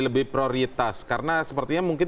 lebih prioritas karena sepertinya mungkin